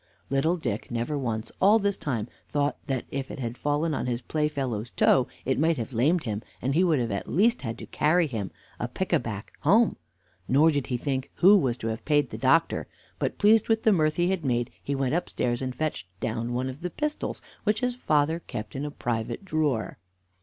Little Dick never once, all this time, thought that if it had fallen on his playfellow's toe, it might have lamed him, and he would at least have had to carry him a pick a back home; nor did he think who was to have paid the doctor; but, pleased with the mirth he had made, he went upstairs and fetched down one of the pistols, which his father kept in a private drawer.